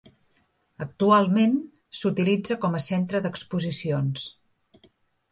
Actualment, s'utilitza com a centre d'exposicions.